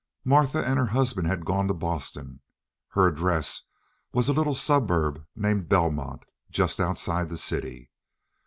Martha and her husband had gone to Boston. Her address was a little suburb named Belmont, just outside the city.